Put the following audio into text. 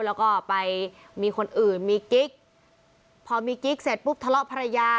แล้วก็ไปมีคนอื่นมีกิ๊กพอมีกิ๊กเสร็จปุ๊บทะเลาะภรรยา